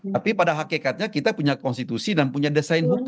tapi pada hakikatnya kita punya konstitusi dan punya desain hukum